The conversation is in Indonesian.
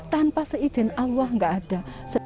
tanpa seizin allah nggak ada